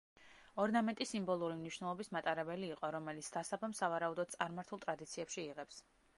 ორნამენტი სიმბოლური მნიშვნელობის მატარებელი იყო, რომელიც დასაბამს სავარაუდოდ წარმართულ ტრადიციებში იღებს.